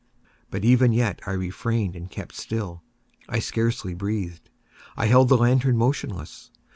But even yet I refrained and kept still. I scarcely breathed. I held the lantern motionless.